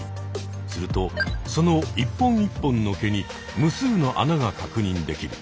するとその一本一本の毛に無数の穴が確認できる。